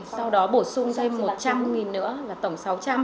sau đó bổ sung thêm một trăm linh nữa và tổng sáu trăm linh